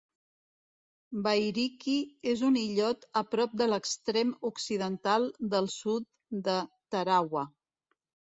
Bairiki és un illot a prop de l'extrem occidental del sud de Tarawa.